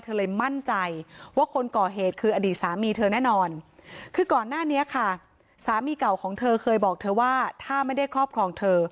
เลยมั่นใจว่าคนก่อเหตุคืออดีตสามีเธอแน่นอนคือก่อนหน้านี้ค่ะสามีเก่าของเธอเคยบอกเธอว่าถ้าไม่ได้ครอบครองเธอ